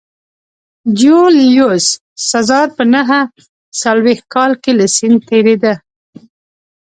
جیولیوس سزار په نهه څلوېښت کال کې له سیند تېرېده